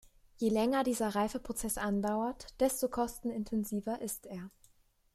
Je länger dieser Reifeprozess andauert, desto kostenintensiver ist er.